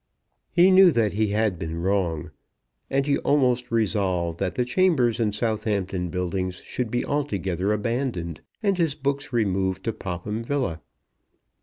He knew that he had been wrong, and he almost resolved that the chambers in Southampton Buildings should be altogether abandoned, and his books removed to Popham Villa.